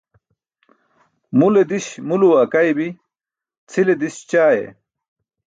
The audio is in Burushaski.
Mule diś muluwe akaybi, cʰile diś ćaaye.